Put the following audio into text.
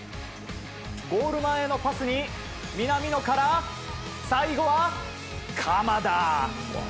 ゴール前へのパスに南野から、最後は鎌田！